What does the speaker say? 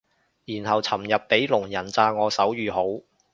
然後尋日俾聾人讚我手語好